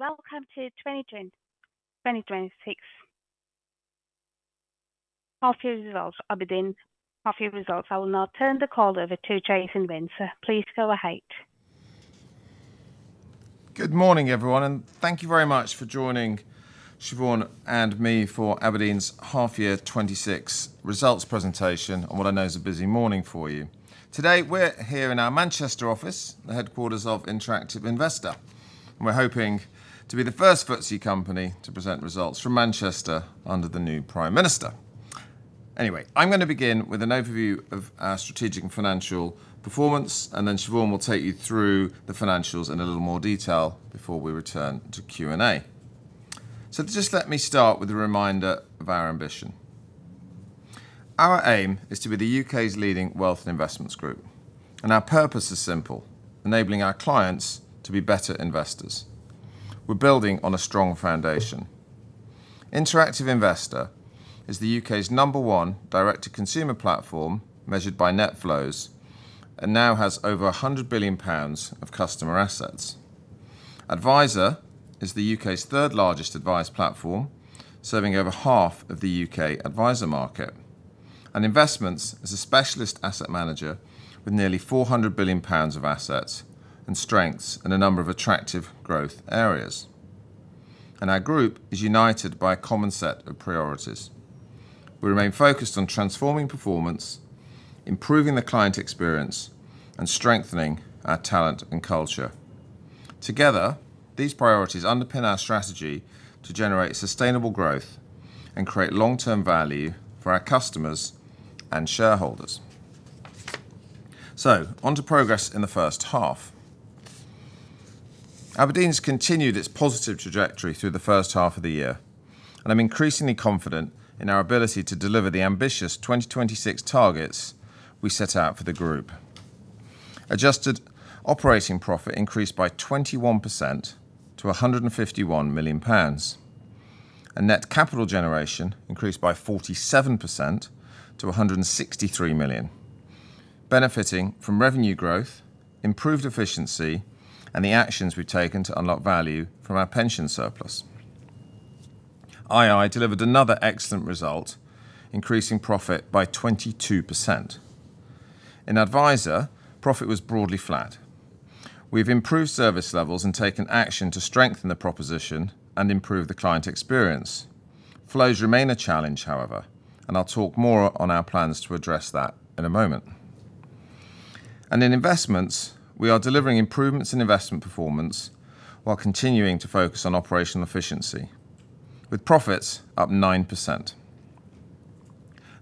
Welcome to 2026 half-year results. Aberdeen half year results. I will now turn the call over to Jason Windsor. Please go ahead. Good morning, everyone, and thank you very much for joining Siobhan and me for Aberdeen's half-year 2026 results presentation on what I know is a busy morning for you. Today, we're here in our Manchester office, the headquarters of Interactive Investor, and we're hoping to be the first FTSE company to present results from Manchester under the new Prime Minister. I'm going to begin with an overview of our strategic and financial performance. Siobhan will take you through the financials in a little more detail before we return to Q&A. Just let me start with a reminder of our ambition. Our aim is to be the U.K.'s leading wealth and Investments group. Our purpose is simple: enabling our clients to be better investors. We're building on a strong foundation. Interactive Investor is the U.K.'s number one direct-to-consumer platform, measured by net flows, and now has over 100 billion pounds of customer assets. Adviser is the U.K.'s third largest advice platform, serving over half of the U.K. adviser market. Investments is a specialist asset manager with nearly 400 billion pounds of assets and strengths in a number of attractive growth areas. Our group is united by a common set of priorities. We remain focused on transforming performance, improving the client experience, and strengthening our talent and culture. Together, these priorities underpin our strategy to generate sustainable growth and create long-term value for our customers and shareholders. Onto progress in the first half. Aberdeen's continued its positive trajectory through the first half of the year. I'm increasingly confident in our ability to deliver the ambitious 2026 targets we set out for the group. Adjusted operating profit increased by 21% to 151 million pounds. Net capital generation increased by 47% to 163 million, benefiting from revenue growth, improved efficiency, and the actions we've taken to unlock value from our pension surplus. ii delivered another excellent result, increasing profit by 22%. In Adviser, profit was broadly flat. We've improved service levels and taken action to strengthen the proposition and improve the client experience. Flows remain a challenge, however. I'll talk more on our plans to address that in a moment. In Investments, we are delivering improvements in investment performance while continuing to focus on operational efficiency, with profits up 9%.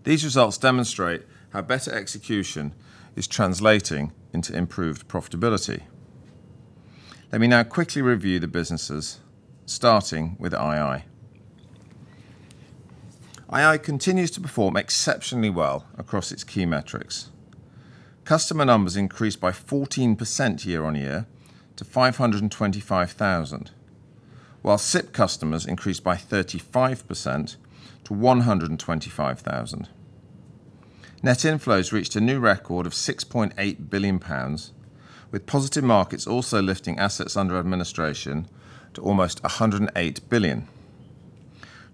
These results demonstrate how better execution is translating into improved profitability. Let me now quickly review the businesses, starting with ii. ii continues to perform exceptionally well across its key metrics. Customer numbers increased by 14% year-on-year to 525,000, while SIPP customers increased by 35% to 125,000. Net inflows reached a new record of 6.8 billion pounds, with positive markets also lifting assets under administration to almost 108 billion.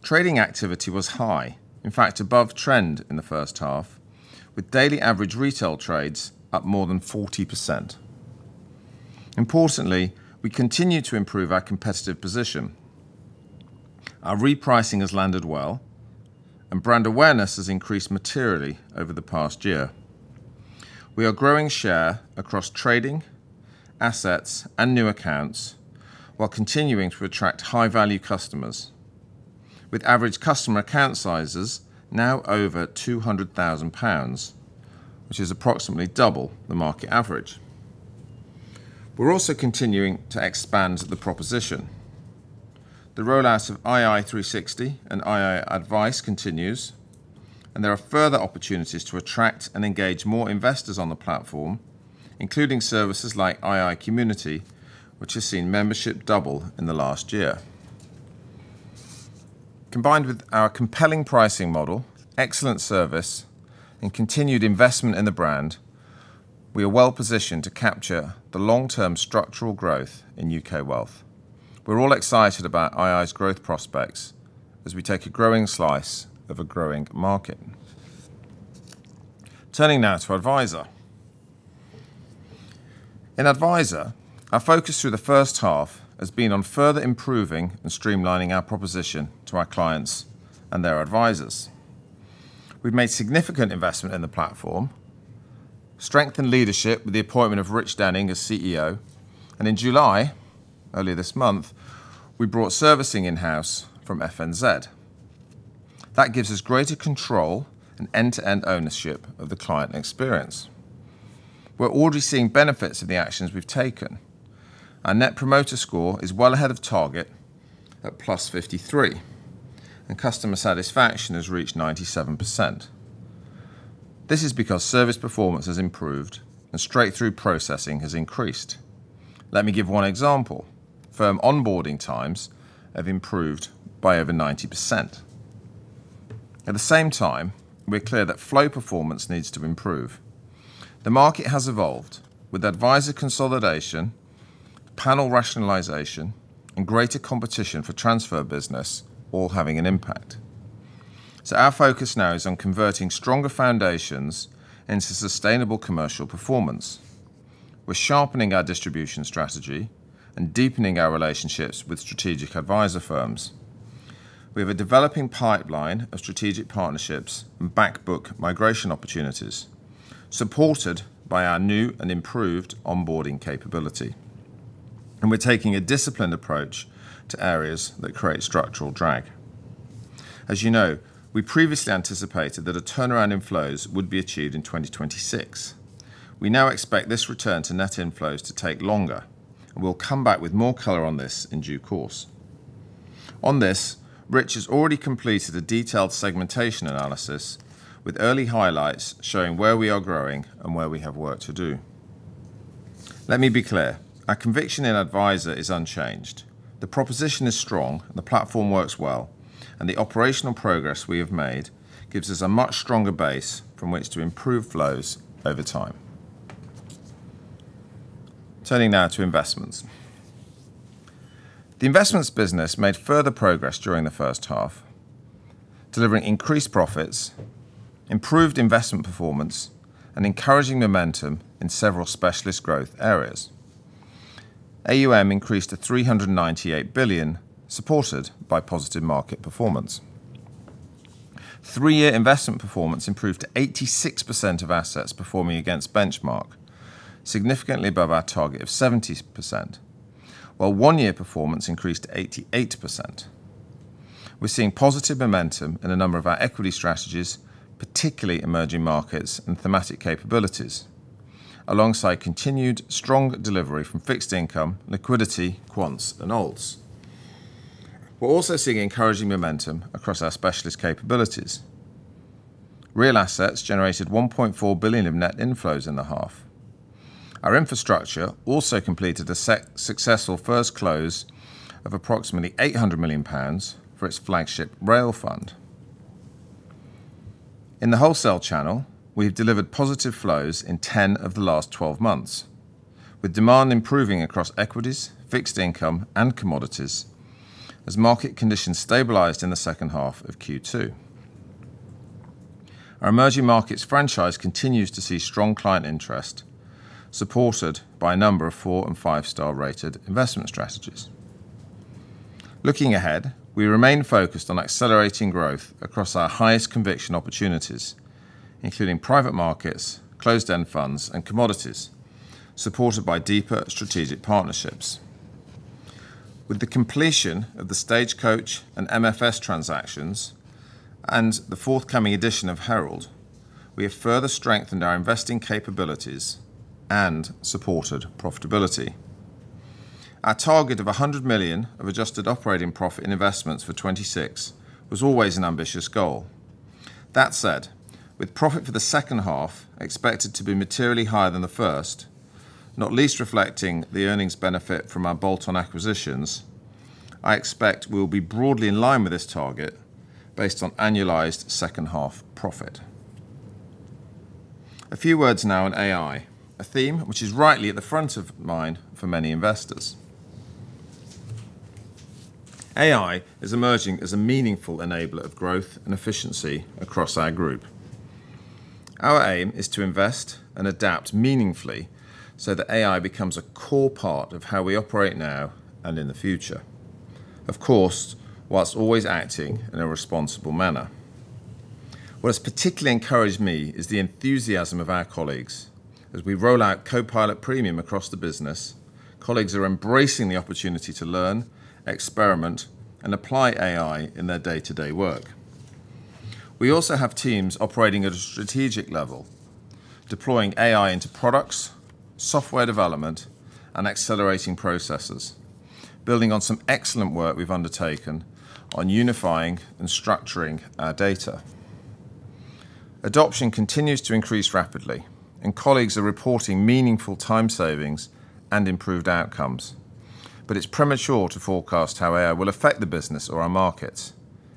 Trading activity was high, in fact, above trend in the first half, with daily average retail trades up more than 40%. Importantly, we continue to improve our competitive position. Our repricing has landed well, and brand awareness has increased materially over the past year. We are growing share across trading, assets, and new accounts while continuing to attract high-value customers, with average customer account sizes now over 200,000 pounds, which is approximately double the market average. We're also continuing to expand the proposition. The rollout of ii 360 and ii Advice continues, and there are further opportunities to attract and engage more investors on the platform, including services like ii Community, which has seen membership double in the last year. Combined with our compelling pricing model, excellent service, and continued investment in the brand, we are well positioned to capture the long-term structural growth in U.K. wealth. We're all excited about ii's growth prospects as we take a growing slice of a growing market. Turning now to Advisor. In Advisor, our focus through the first half has been on further improving and streamlining our proposition to our clients and their advisors. We've made significant investment in the platform, strengthened leadership with the appointment of Rich Denning as CEO, and in July, earlier this month, we brought servicing in-house from FNZ. That gives us greater control and end-to-end ownership of the client experience. We're already seeing benefits of the actions we've taken. Our Net Promoter Score is well ahead of target at +53, and customer satisfaction has reached 97%. This is because service performance has improved and straight-through processing has increased. Let me give one example. Firm onboarding times have improved by over 90%. At the same time, we're clear that flow performance needs to improve. The market has evolved with advisor consolidation, panel rationalization, and greater competition for transfer business all having an impact. Our focus now is on converting stronger foundations into sustainable commercial performance. We're sharpening our distribution strategy and deepening our relationships with strategic Advisor firms. We have a developing pipeline of strategic partnerships and back book migration opportunities, supported by our new and improved onboarding capability. We're taking a disciplined approach to areas that create structural drag. As you know, we previously anticipated that a turnaround in flows would be achieved in 2026. We now expect this return to net inflows to take longer, and we'll come back with more color on this in due course. On this, Rich has already completed a detailed segmentation analysis with early highlights showing where we are growing and where we have work to do. Let me be clear, our conviction in Advisor is unchanged. The proposition is strong, and the platform works well, and the operational progress we have made gives us a much stronger base from which to improve flows over time. Turning now to Investments. The Investments business made further progress during the first half, delivering increased profits, improved investment performance, and encouraging momentum in several specialist growth areas. AUM increased to 398 billion, supported by positive market performance. Three-year investment performance improved to 86% of assets performing against benchmark, significantly above our target of 70%, while one-year performance increased to 88%. We're seeing positive momentum in a number of our equity strategies, particularly Emerging Markets and thematic capabilities, alongside continued strong delivery from fixed income, liquidity, quants, and alts. We're also seeing encouraging momentum across our specialist capabilities. Real assets generated 1.4 billion of net inflows in the half. Our infrastructure also completed a successful first close of approximately 800 million pounds for its flagship rail fund. In the wholesale channel, we have delivered positive flows in 10 of the last 12 months, with demand improving across equities, fixed income, and commodities as market conditions stabilized in the second half of Q2. Our Emerging Markets franchise continues to see strong client interest, supported by a number of star-rated investment strategies. Looking ahead, we remain focused on accelerating growth across our highest conviction opportunities, including private markets, Closed-End Funds, and commodities, supported by deeper strategic partnerships. With the completion of the Stagecoach and MFS transactions and the forthcoming edition of Herald, we have further strengthened our investing capabilities and supported profitability. Our target of 100 million of Adjusted Operating Profit in Investments for 2026 was always an ambitious goal. With profit for the second half expected to be materially higher than the first, not least reflecting the earnings benefit from our bolt-on acquisitions, I expect we'll be broadly in line with this target based on annualized second half profit. A few words now on AI, a theme which is rightly at the front of mind for many investors. AI is emerging as a meaningful enabler of growth and efficiency across our group. Our aim is to invest and adapt meaningfully so that AI becomes a core part of how we operate now and in the future. Of course, whilst always acting in a responsible manner. What has particularly encouraged me is the enthusiasm of our colleagues. As we roll out Copilot Premium across the business, colleagues are embracing the opportunity to learn, experiment, and apply AI in their day-to-day work. We also have teams operating at a strategic level, deploying AI into products, software development, and accelerating processes, building on some excellent work we've undertaken on unifying and structuring our data. Adoption continues to increase rapidly, and colleagues are reporting meaningful time savings and improved outcomes. It's premature to forecast how AI will affect the business or our markets.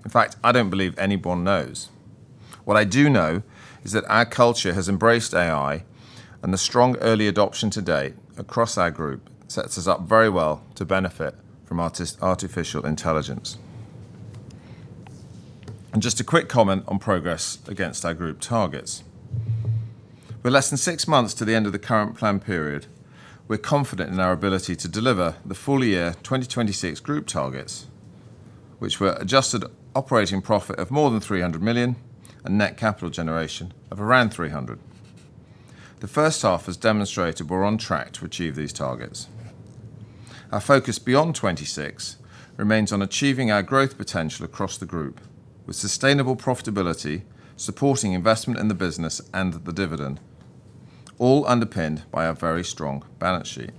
In fact, I don't believe anyone knows. What I do know is that our culture has embraced AI, and the strong early adoption today across our group sets us up very well to benefit from artificial intelligence. Just a quick comment on progress against our group targets. With less than six months to the end of the current plan period, we're confident in our ability to deliver the full-year 2026 group targets, which were Adjusted Operating Profit of more than 300 million and net capital generation of around 300 million. The first half has demonstrated we're on track to achieve these targets. Our focus beyond 2026 remains on achieving our growth potential across the group with sustainable profitability, supporting investment in the business and the dividend, all underpinned by our very strong balance sheet.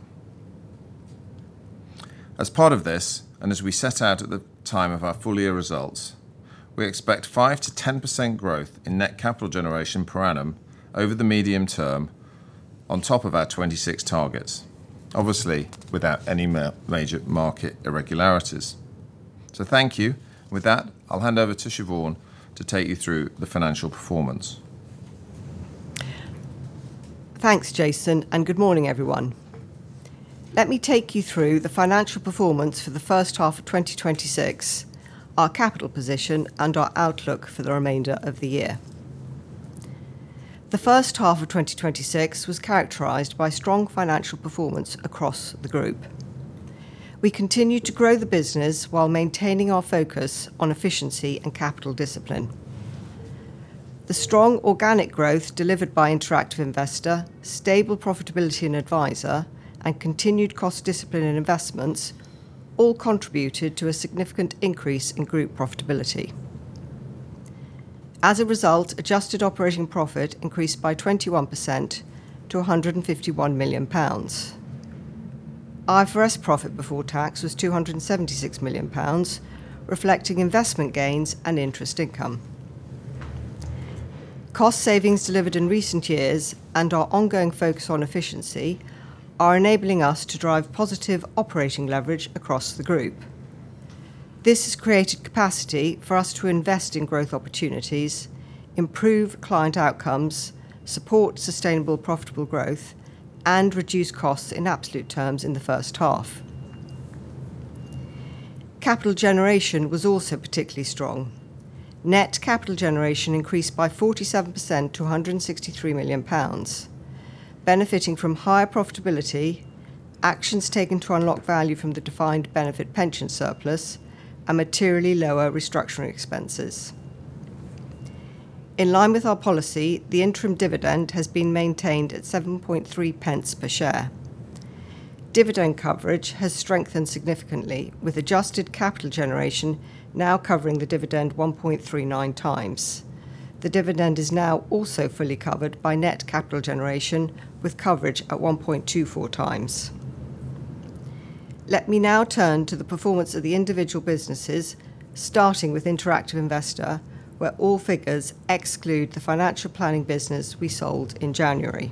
As part of this, as we set out at the time of our full-year results, we expect 5%-10% growth in net capital generation per annum over the medium term on top of our 26 targets, obviously without any major market irregularities. Thank you. With that, I'll hand over to Siobhan to take you through the financial performance. Thanks, Jason, good morning, everyone. Let me take you through the financial performance for the first half of 2026, our capital position, and our outlook for the remainder of the year. The first half of 2026 was characterized by strong financial performance across the group. We continued to grow the business while maintaining our focus on efficiency and capital discipline. The strong organic growth delivered by Interactive Investor, stable profitability in Adviser, and continued cost discipline in Investments all contributed to a significant increase in group profitability. As a result, adjusted operating profit increased by 21% to 151 million pounds. IFRS profit before tax was 276 million pounds, reflecting investment gains and interest income. Cost savings delivered in recent years and our ongoing focus on efficiency are enabling us to drive positive operating leverage across the group. This has created capacity for us to invest in growth opportunities, improve client outcomes, support sustainable profitable growth, and reduce costs in absolute terms in the first half. Capital generation was also particularly strong. Net capital generation increased by 47% to 163 million pounds, benefiting from higher profitability, actions taken to unlock value from the defined benefit pension surplus, and materially lower restructuring expenses. In line with our policy, the interim dividend has been maintained at 0.073 per share. Dividend coverage has strengthened significantly, with adjusted capital generation now covering the dividend 1.39x. The dividend is now also fully covered by net capital generation, with coverage at 1.24x. Let me now turn to the performance of the individual businesses, starting with Interactive Investor, where all figures exclude the financial planning business we sold in January.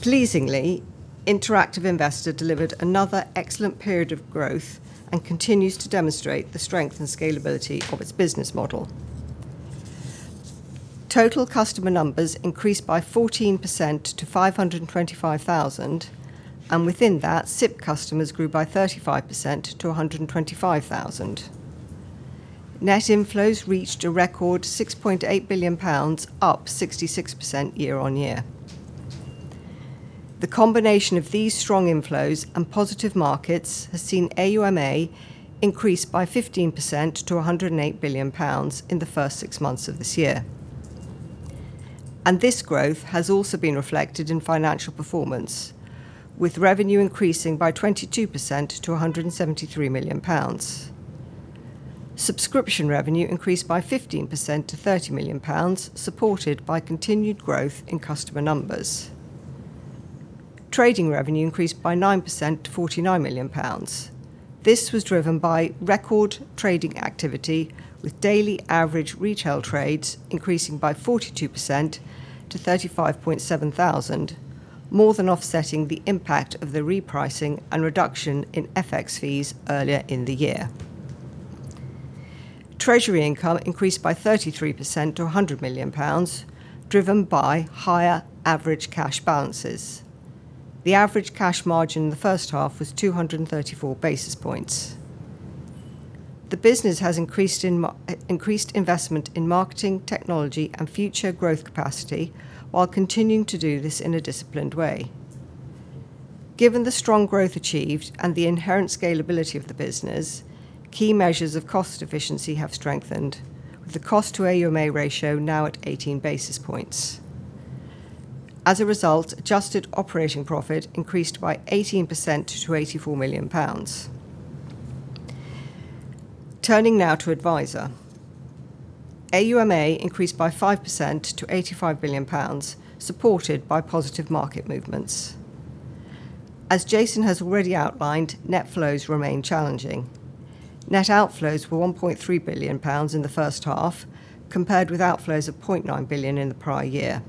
Pleasingly, Interactive Investor delivered another excellent period of growth and continues to demonstrate the strength and scalability of its business model. Total customer numbers increased by 14% to 525,000, and within that, SIPP customers grew by 35% to 125,000. Net inflows reached a record 6.8 billion pounds, up 66% year-on-year. The combination of these strong inflows and positive markets has seen AUMA increase by 15% to 108 billion pounds in the first six months of this year. This growth has also been reflected in financial performance, with revenue increasing by 22% to 173 million pounds. Subscription revenue increased by 15% to 30 million pounds, supported by continued growth in customer numbers. Trading revenue increased by 9% to 49 million pounds. This was driven by record trading activity, with daily average retail trades increasing by 42% to 35,700, more than offsetting the impact of the repricing and reduction in FX fees earlier in the year. Treasury income increased by 33% to 100 million pounds, driven by higher average cash balances. The average cash margin in the first half was 234 basis points. The business has increased investment in marketing, technology, and future growth capacity while continuing to do this in a disciplined way. Given the strong growth achieved and the inherent scalability of the business, key measures of cost efficiency have strengthened, with the cost to AUMA ratio now at 18 basis points. As a result, adjusted operating profit increased by 18% to 84 million pounds. Turning now to Adviser. AUMA increased by 5% to 85 billion pounds, supported by positive market movements. As Jason has already outlined, net flows remain challenging. Net outflows were 1.3 billion pounds in the first half, compared with outflows of 0.9 billion in the prior year.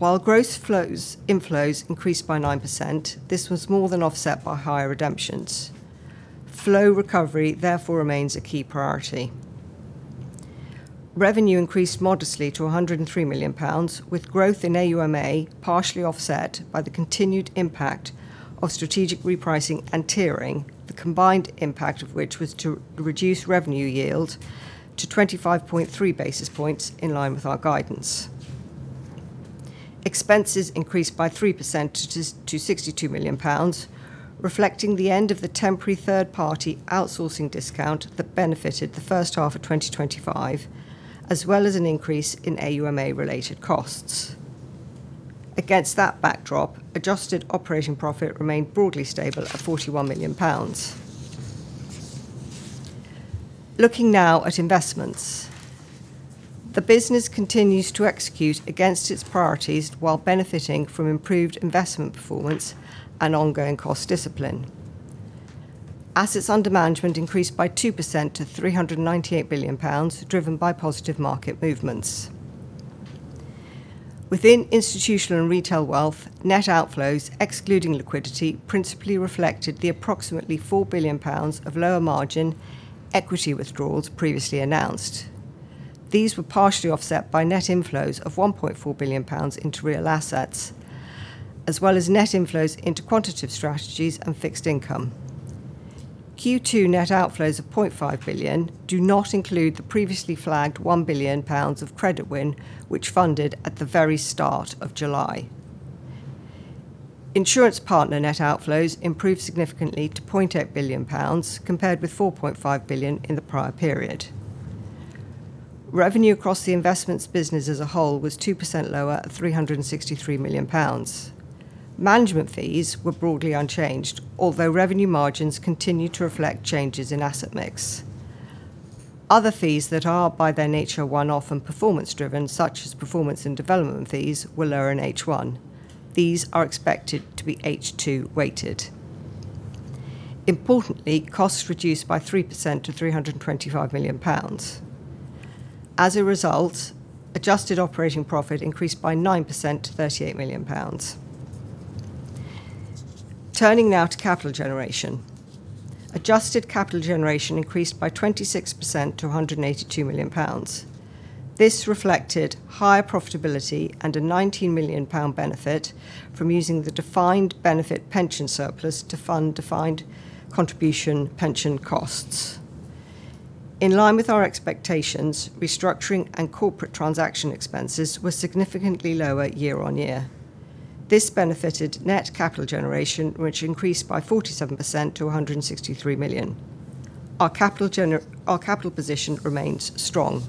While gross inflows increased by 9%, this was more than offset by higher redemptions. Flow recovery therefore remains a key priority. Revenue increased modestly to 103 million pounds, with growth in AUMA partially offset by the continued impact of strategic repricing and tiering, the combined impact of which was to reduce revenue yield to 25.3 basis points, in line with our guidance. Expenses increased by 3% to 62 million pounds, reflecting the end of the temporary third-party outsourcing discount that benefited the first half of 2025, as well as an increase in AUMA-related costs. Against that backdrop, adjusted operating profit remained broadly stable at 41 million pounds. Looking now at Investments. The business continues to execute against its priorities while benefiting from improved investment performance and ongoing cost discipline. Assets under management increased by 2% to 398 billion pounds, driven by positive market movements. Within Institutional & Retail Wealth, net outflows, excluding liquidity, principally reflected the approximately 4 billion pounds of lower margin equity withdrawals previously announced. These were partially offset by net inflows of 1.4 billion pounds into real assets, as well as net inflows into quantitative strategies and fixed income. Q2 net outflows of 0.5 billion do not include the previously flagged 1 billion pounds of credit win, which funded at the very start of July. Insurance partner net outflows improved significantly to 0.8 billion pounds, compared with 4.5 billion in the prior period. Revenue across the investments business as a whole was 2% lower at 363 million pounds. Management fees were broadly unchanged, although revenue margins continue to reflect changes in asset mix. Other fees that are, by their nature, one-off and performance driven, such as performance and development fees, were lower in H1. These are expected to be H2-weighted. Importantly, costs reduced by 3% to 325 million pounds. As a result, adjusted operating profit increased by 9% to 38 million pounds. Turning now to capital generation. Adjusted capital generation increased by 26% to 182 million pounds. This reflected higher profitability and a 19 million pound benefit from using the defined benefit pension surplus to fund defined contribution pension costs. In line with our expectations, restructuring and corporate transaction expenses were significantly lower year-on-year. This benefited net capital generation, which increased by 47% to 163 million. Our capital position remains strong.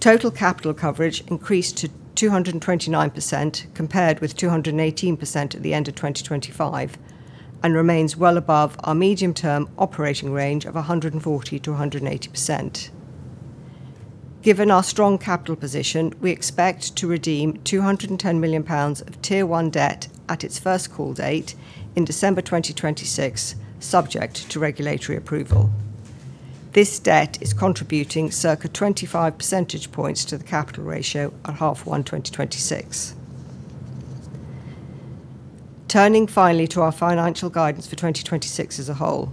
Total capital coverage increased to 229%, compared with 218% at the end of 2025, and remains well above our medium-term operating range of 140%-180%. Given our strong capital position, we expect to redeem 210 million pounds of Tier 1 debt at its first call date in December 2026, subject to regulatory approval. This debt is contributing circa 25 percentage points to the capital ratio at half 1 2026. Turning finally to our financial guidance for 2026 as a whole.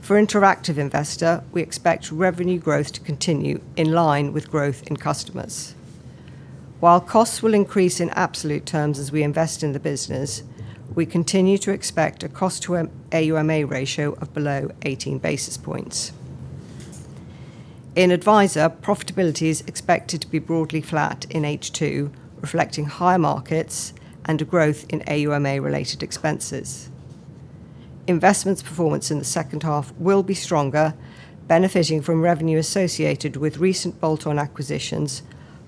For Interactive Investor, we expect revenue growth to continue in line with growth in customers. While costs will increase in absolute terms as we invest in the business, we continue to expect a cost to AUMA ratio of below 18 basis points. In Adviser, profitability is expected to be broadly flat in H2, reflecting higher markets and a growth in AUMA-related expenses. Investments performance in the second half will be stronger, benefitting from revenue associated with recent bolt-on acquisitions,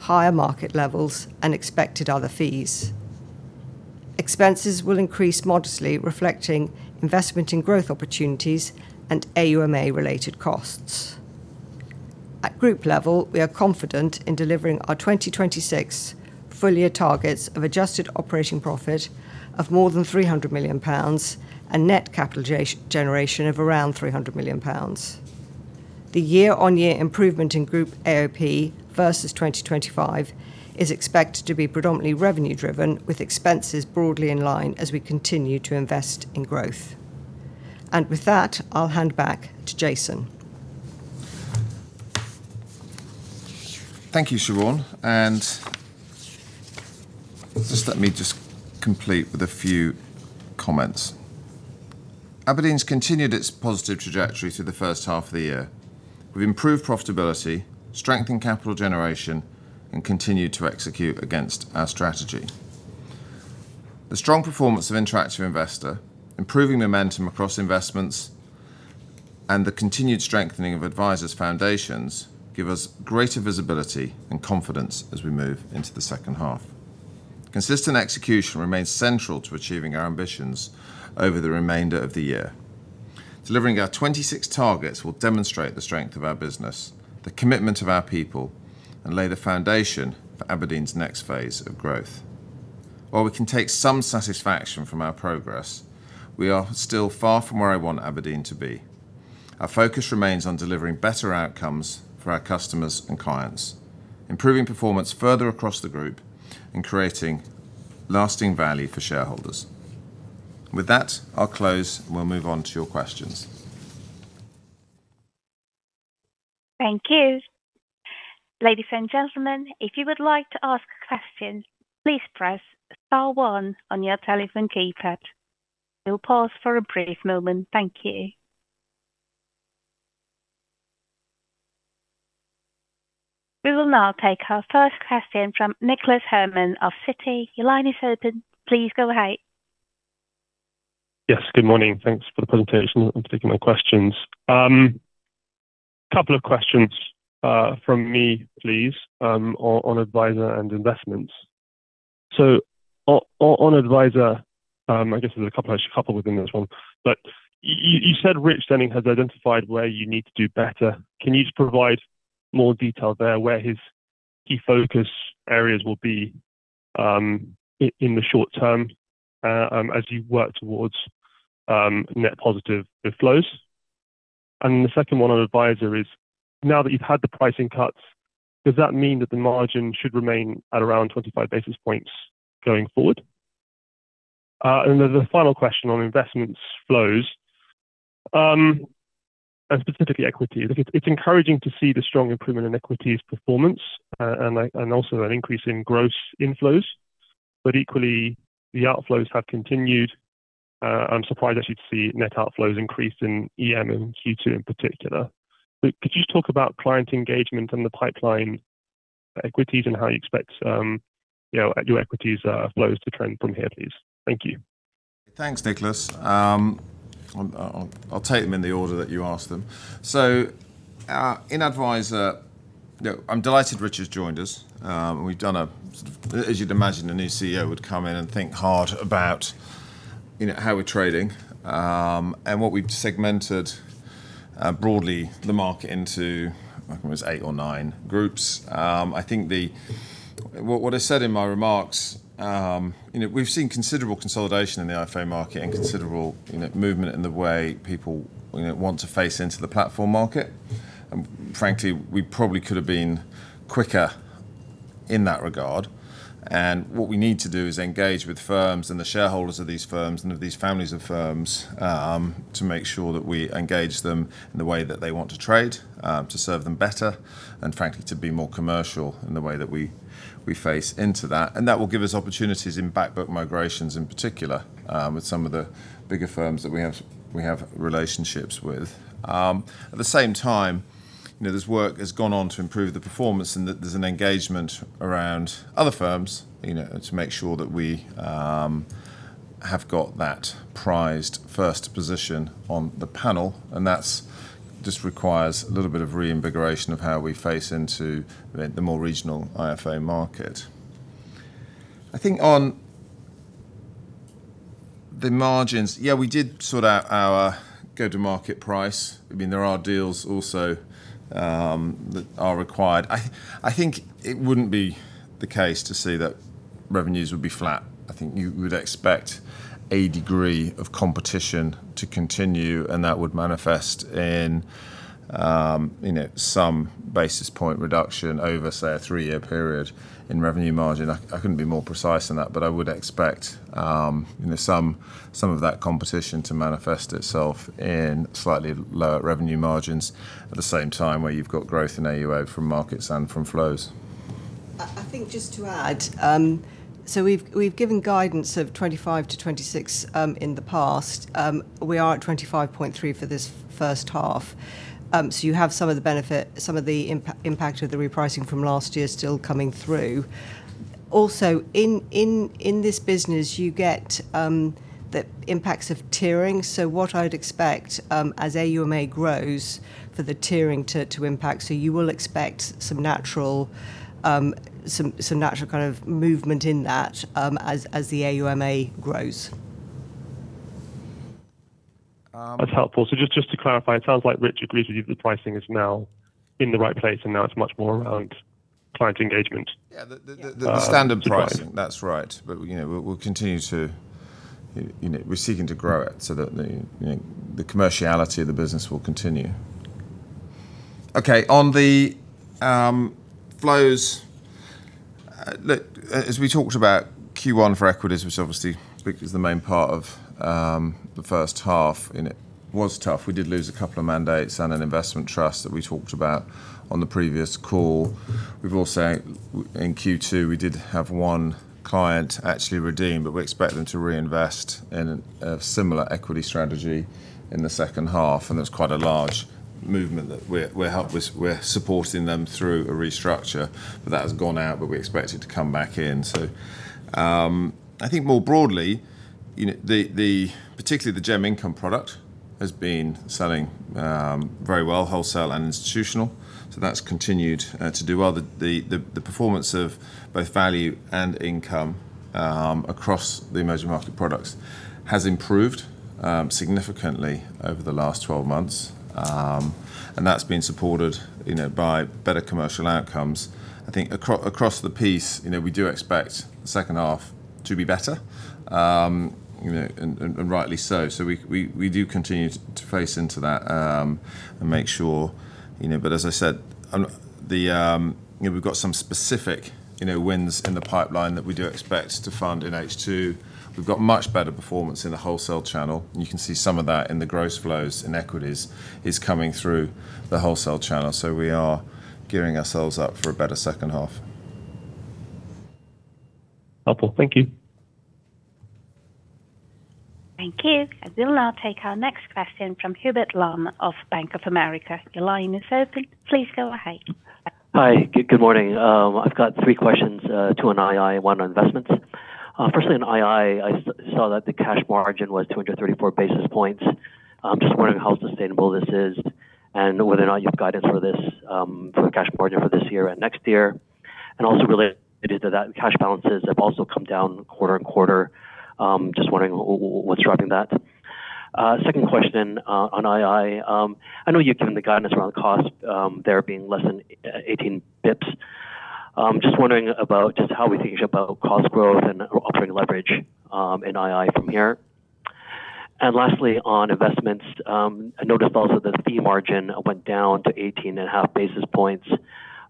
higher market levels, and expected other fees. Expenses will increase modestly, reflecting investment in growth opportunities and AUMA-related costs. At Group level, we are confident in delivering our 2026 full-year targets of adjusted operating profit of more than 300 million pounds and net capital generation of around 300 million pounds. The year-on-year improvement in Group AOP versus 2025 is expected to be predominantly revenue driven, with expenses broadly in line as we continue to invest in growth. With that, I'll hand back to Jason. Thank you, Siobhan. Let me just complete with a few comments. Aberdeen's continued its positive trajectory through the first half of the year. We've improved profitability, strengthened capital generation, and continued to execute against our strategy. The strong performance of Interactive Investor, improving momentum across Investments, and the continued strengthening of Adviser's foundations, give us greater visibility and confidence as we move into the second half. Consistent execution remains central to achieving our ambitions over the remainder of the year. Delivering our 2026 targets will demonstrate the strength of our business, the commitment of our people, and lay the foundation for Aberdeen's next phase of growth. While we can take some satisfaction from our progress, we are still far from where I want Aberdeen to be. Our focus remains on delivering better outcomes for our customers and clients, improving performance further across the Group, and creating lasting value for shareholders. With that, I'll close and we'll move on to your questions. Thank you. Ladies and gentlemen, if you would like to ask questions, please press star one on your telephone keypad. We'll pause for a brief moment. Thank you. We will now take our first question from Nicholas Herman of Citi. Your line is open. Please go ahead. Yes, good morning. Thanks for the presentation and taking my questions. Couple of questions from me, please, on Adviser and Investments. On Adviser, I guess there's a couple within this one, but you said Rich Denning has identified where you need to do better. Can you just provide more detail there where his key focus areas will be? In the short term, as you work towards net positive outflows. The second one on Adviser is, now that you've had the pricing cuts, does that mean that the margin should remain at around 25 basis points going forward? The final question on Investments flows and specifically equities. Look, it's encouraging to see the strong improvement in equities performance and also an increase in gross inflows, but equally, the outflows have continued. I'm surprised that you'd see net outflows increase in EM in Q2 in particular. Could you talk about client engagement and the pipeline equities and how you expect your equities flows to trend from here, please? Thank you. Thanks, Nicholas. I'll take them in the order that you asked them. In Adviser, I'm delighted Richard's joined us. As you'd imagine, a new CEO would come in and think hard about how we're trading and what we've segmented broadly the market into, I think it was eight or nine groups. I think what I said in my remarks, we've seen considerable consolidation in the IFA market and considerable movement in the way people want to face into the platform market. Frankly, we probably could have been quicker in that regard. What we need to do is engage with firms and the shareholders of these firms and of these families of firms, to make sure that we engage them in the way that they want to trade, to serve them better, and frankly, to be more commercial in the way that we face into that. That will give us opportunities in back book migrations, in particular, with some of the bigger firms that we have relationships with. At the same time, this work has gone on to improve the performance and that there's an engagement around other firms, to make sure that we have got that prized first position on the panel, and that just requires a little bit of reinvigoration of how we face into the more regional IFA market. We did sort out our go-to-market price. There are deals also that are required. It wouldn't be the case to say that revenues would be flat. You would expect a degree of competition to continue, and that would manifest in some basis point reduction over, say, a three-year period in revenue margin. I couldn't be more precise than that. I would expect some of that competition to manifest itself in slightly lower revenue margins at the same time where you've got growth in AUA from markets and from flows. We've given guidance of 25-26 in the past. We are at 25.3 for this first half. You have some of the impact of the repricing from last year still coming through. Also, in this business, you get the impacts of tiering. What I would expect, as AUMA grows for the tiering to impact. You will expect some natural kind of movement in that as the AUMA grows. That's helpful. Just to clarify, it sounds like Rich agrees with you that the pricing is now in the right place, and now it's much more around client engagement. Yeah. The standard pricing. That's right. We're seeking to grow it so that the commerciality of the business will continue. Okay. On the flows, look, as we talked about Q1 for equities, which obviously is the main part of the first half, it was tough. We did lose a couple of mandates and an investment trust that we talked about on the previous call. We've also, in Q2, we did have one client actually redeem. We expect them to reinvest in a similar equity strategy in the second half, and that's quite a large movement that we're supporting them through a restructure. That has gone out. We expect it to come back in. I think more broadly, particularly the GEM income product, has been selling very well, wholesale and institutional. That's continued to do well. The performance of both value and income across the emerging market products has improved significantly over the last 12 months. That's been supported by better commercial outcomes. I think across the piece, we do expect the second half to be better, rightly so. We do continue to face into that, and make sure. As I said, we've got some specific wins in the pipeline that we do expect to fund in H2. We've got much better performance in the wholesale channel. You can see some of that in the gross flows in equities is coming through the wholesale channel. We are gearing ourselves up for a better second half. Helpful. Thank you. Thank you. We will now take our next question from Hubert Lam of Bank of America. Your line is open. Please go ahead. Hi. Good morning. I've got three questions, two on ii, one on Investments. Firstly, on ii, I saw that the cash margin was 234 basis points. Just wondering how sustainable this is, and whether or not you have guidance for the cash margin for this year and next year. Also related to that, cash balances have also come down quarter-on-quarter. Just wondering what's driving that. Second question on ii. I know you've given the guidance around cost there being less than 18 basis points. Just wondering about how we think about cost growth and operating leverage in ii from here. Lastly, on Investments, I noticed also the fee margin went down to 18.5 basis points.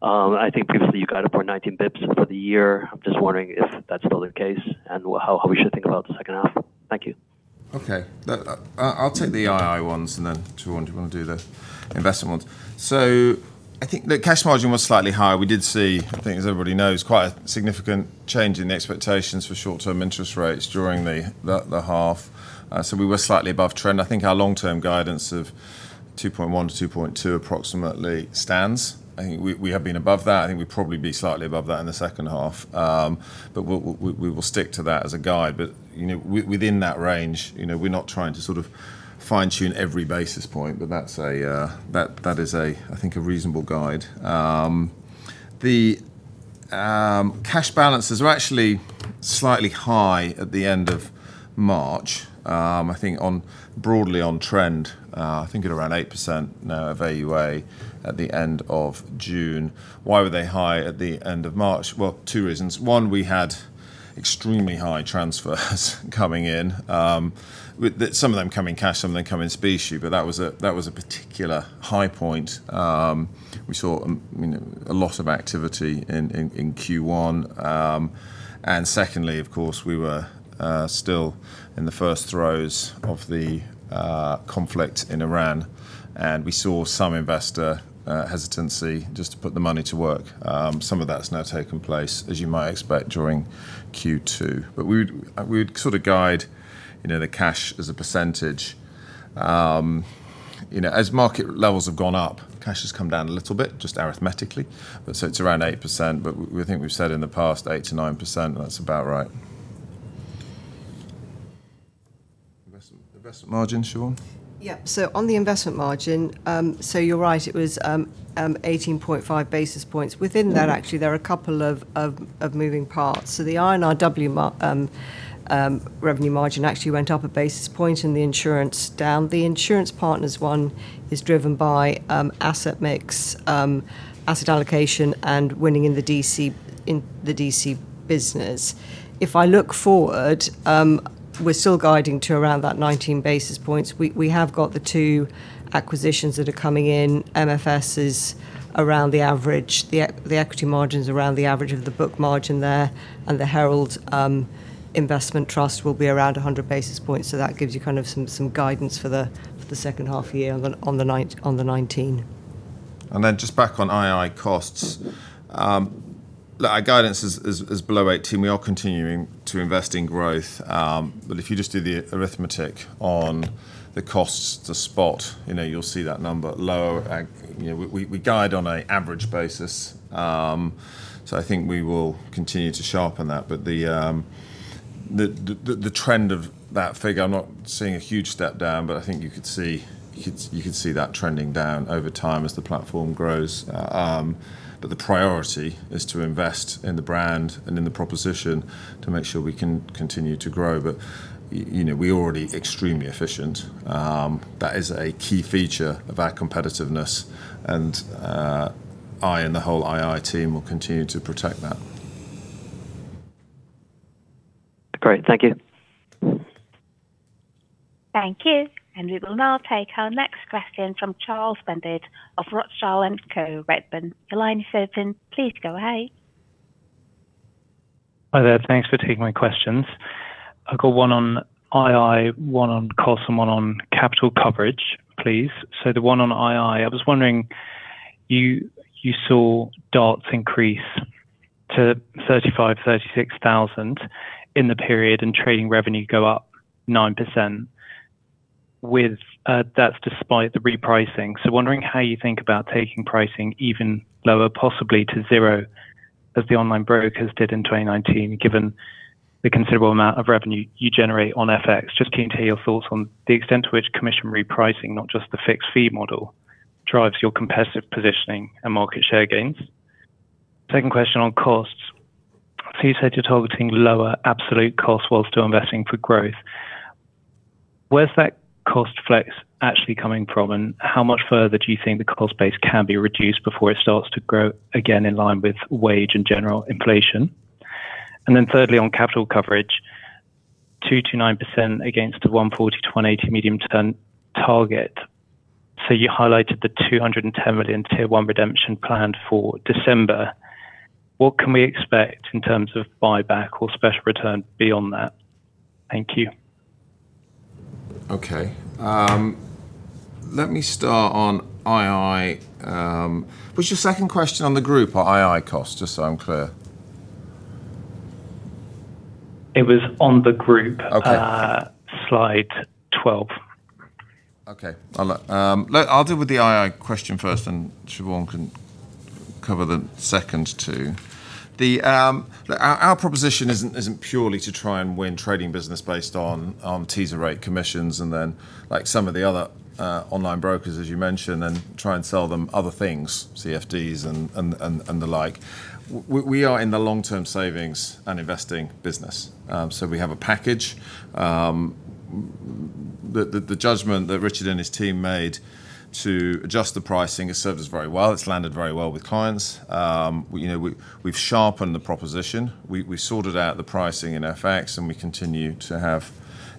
I think previously you guided for 19 basis points for the year. I'm just wondering if that's still the case and how we should think about the second half. Thank you. Okay. I'll take the ii ones and then Siobhan, do you want to do the Investments ones? I think the cash margin was slightly higher. We did see, I think as everybody knows, quite a significant change in the expectations for short-term interest rates during the half. We were slightly above trend. I think our long-term guidance of 2.1%-2.2% approximately stands. I think we have been above that. I think we'll probably be slightly above that in the second half. We will stick to that as a guide. Within that range, we're not trying to fine-tune every basis point. That is I think a reasonable guide. The cash balances were actually slightly high at the end of March. I think broadly on trend, I think at around 8% now of AUA at the end of June. Why were they high at the end of March? Well, two reasons. One, we had extremely high transfers coming in, with some of them come in cash, some of them come in specie, but that was a particular high point. We saw a lot of activity in Q1. Secondly, of course, we were still in the first throes of the conflict in Ukraine, and we saw some investor hesitancy just to put the money to work. Some of that's now taken place, as you might expect during Q2. We would guide the cash as a percentage. As market levels have gone up, cash has come down a little bit, just arithmetically. It's around 8%, but we think we've said in the past 8%-9%, and that's about right. Investments margin, Siobhan? Yeah. On the Investments margin, you're right, it was 18.5 basis points. Within that, actually, there are a couple of moving parts. The I&RW revenue margin actually went up a basis point and the insurance down. The insurance partners one is driven by asset mix, asset allocation, and winning in the DC business. If I look forward, we're still guiding to around that 19 basis points. We have got the two acquisitions that are coming in. MFS is around the average. The equity margin's around the average of the book margin there. The Herald Investment Trust will be around 100 basis points. That gives you some guidance for the second half year on the 19. Just back on ii costs. Our guidance is below 18. We are continuing to invest in growth. If you just do the arithmetic on the costs to spot, you'll see that number lower. We guide on an average basis. I think we will continue to sharpen that. The trend of that figure, I'm not seeing a huge step down, but I think you could see that trending down over time as the platform grows. The priority is to invest in the brand and in the proposition to make sure we can continue to grow. We're already extremely efficient. That is a key feature of our competitiveness. I and the whole ii team will continue to protect that. Great. Thank you. Thank you. We will now take our next question from Charles Bendit of Rothschild & Co Redburn. Your line is open. Please go ahead. Hi there. Thanks for taking my questions. I've got one on ii, one on cost, and one on capital coverage, please. The one on ii, I was wondering, you saw DARTs increase to 35,000-36,000 in the period and trading revenue go up 9%. That's despite the repricing. Wondering how you think about taking pricing even lower, possibly to zero, as the online brokers did in 2019, given the considerable amount of revenue you generate on FX. Just keen to hear your thoughts on the extent to which commission repricing, not just the fixed fee model, drives your competitive positioning and market share gains. Second question on costs. You said you're targeting lower absolute costs while still investing for growth. Where's that cost flex actually coming from? How much further do you think the cost base can be reduced before it starts to grow again in line with wage and general inflation? Thirdly, on capital coverage. 2%-9% against the 140%-180% medium-term target. You highlighted the 210 million Tier 1 redemption planned for December. What can we expect in terms of buyback or special return beyond that? Thank you. Okay. Let me start on ii. Was your second question on the group or ii cost, just so I'm clear? It was on the group. Okay. Slide 12. Okay. I'll deal with the ii question first, and Siobhan can cover the second two. Look, our proposition isn't purely to try and win trading business based on teaser rate commissions and then like some of the other online brokers, as you mentioned, and try and sell them other things, CFDs and the like. We are in the long-term savings and investing business. We have a package. The judgment that Rich and his team made to adjust the pricing has served us very well. It's landed very well with clients. We've sharpened the proposition. We sorted out the pricing in FX, and we continue to have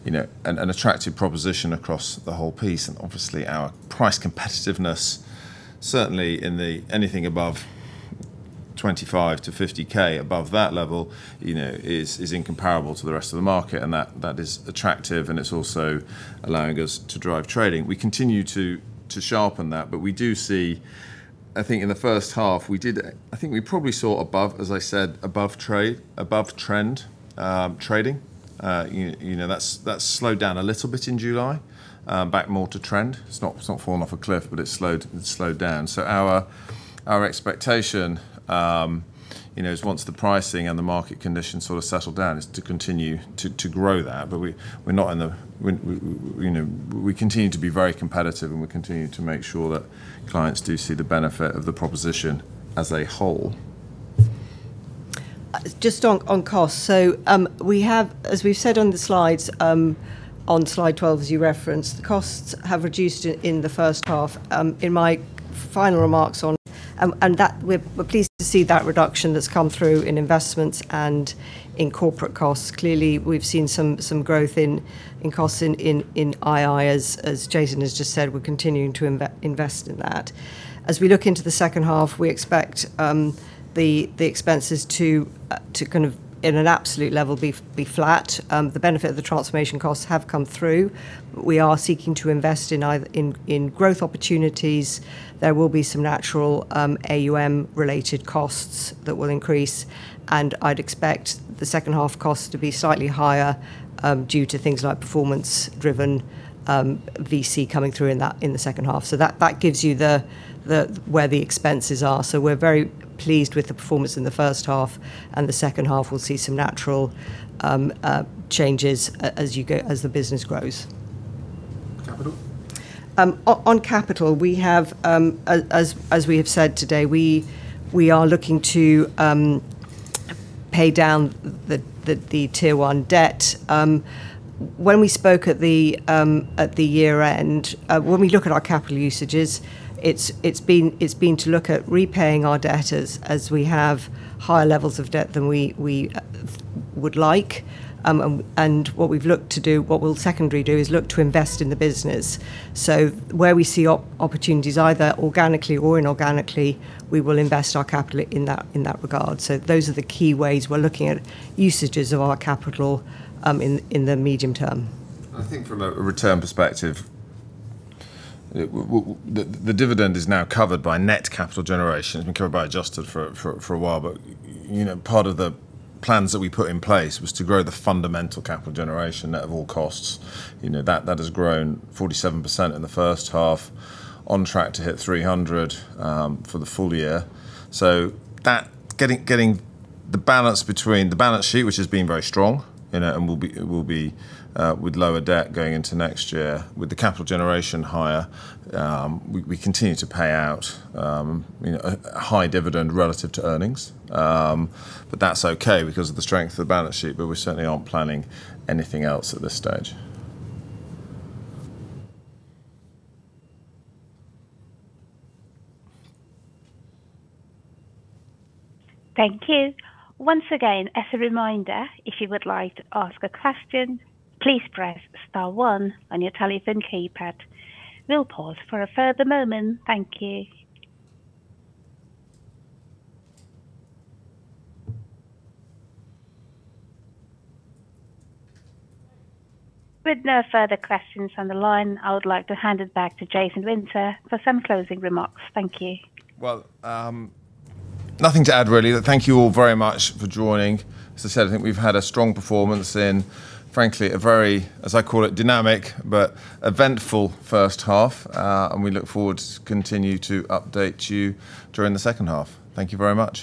an attractive proposition across the whole piece. Obviously our price competitiveness, certainly in anything above 25,000-50,000, above that level, is incomparable to the rest of the market, and that is attractive, and it's also allowing us to drive trading. We continue to sharpen that. We do see, I think in the first half, I think we probably saw, as I said, above trend trading. That's slowed down a little bit in July, back more to trend. It's not fallen off a cliff, but it's slowed down. Our expectation, is once the pricing and the market conditions sort of settle down, is to continue to grow that. We continue to be very competitive, and we continue to make sure that clients do see the benefit of the proposition as a whole. Just on costs. As we've said on the slides, on slide 12 as you referenced, the costs have reduced in the first half. We're pleased to see that reduction that's come through in Investments and in corporate costs. Clearly, we've seen some growth in costs in ii, as Jason has just said, we're continuing to invest in that. As we look into the second half, we expect the expenses to, in an absolute level, be flat. The benefit of the transformation costs have come through. We are seeking to invest in growth opportunities. There will be some natural AUM-related costs that will increase. I'd expect the second half costs to be slightly higher, due to things like performance-driven VC coming through in the second half. That gives you where the expenses are. We're very pleased with the performance in the first half, and the second half will see some natural changes as the business grows. Capital. On capital, as we have said today, we are looking to pay down the Tier 1 debt. When we spoke at the year-end, when we look at our capital usages, it's been to look at repaying our debt as we have higher levels of debt than we would like. What we'll secondly do is look to invest in the business. Where we see opportunities, either organically or inorganically, we will invest our capital in that regard. Those are the key ways we're looking at usages of our capital in the medium term. I think from a return perspective, the dividend is now covered by net capital generation. It's been covered by adjusted for a while, but part of the plans that we put in place was to grow the fundamental capital generation net of all costs. That has grown 47% in the first half, on track to hit 300 for the full-year. Getting the balance between the balance sheet, which has been very strong, and will be with lower debt going into next year, with the capital generation higher. We continue to pay out a high dividend relative to earnings. That's okay because of the strength of the balance sheet. We certainly aren't planning anything else at this stage. Thank you. Once again, as a reminder, if you would like to ask a question, please press star one on your telephone keypad. We'll pause for a further moment. Thank you. With no further questions on the line, I would like to hand it back to Jason Windsor for some closing remarks. Thank you. Well, nothing to add, really. Thank you all very much for joining. As I said, I think we've had a strong performance in, frankly, a very, as I call it, dynamic, but eventful first half. We look forward to continue to update you during the second half. Thank you very much